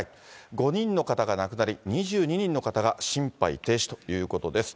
５人の方が亡くなり、２２人の方が心肺停止ということです。